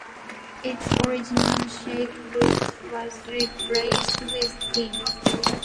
Its original shake roof was replaced with tin.